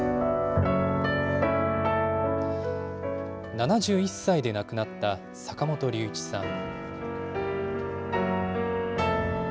７１歳で亡くなった坂本龍一さん。